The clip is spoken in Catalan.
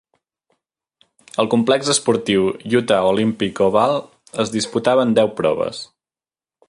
Al complex esportiu Utah Olympic Oval es disputaven deu proves.